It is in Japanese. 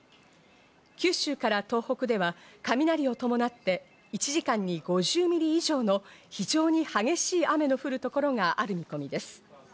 九州から東北では雷を伴って１時間に５０ミリ以上の非常に激しい雨の降る所がある見込みです。